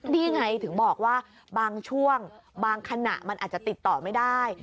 นี่ไงถึงบอกว่าบางช่วงบางขณะมันอาจจะติดต่อไม่ได้